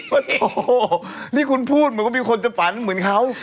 โอ้โหนี่คุณพูดเหมือนว่ามีคนจะฝันเหมือนเขา